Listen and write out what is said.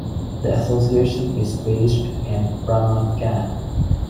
The association is based in Ramat Gan.